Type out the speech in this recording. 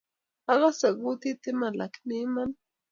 akase kata maiman lakini iman.